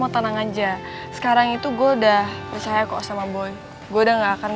kan sekarang gue udah jago bawa motor ngebut